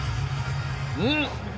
うん。